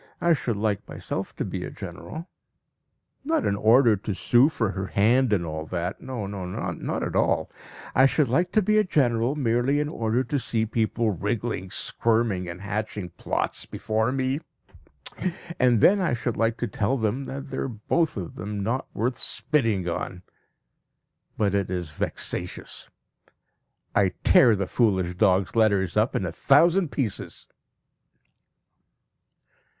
I should like myself to be a general not in order to sue for her hand and all that no, not at all; I should like to be a general merely in order to see people wriggling, squirming, and hatching plots before me. And then I should like to tell them that they are both of them not worth spitting on. But it is vexatious! I tear the foolish dog's letters up in a thousand pieces.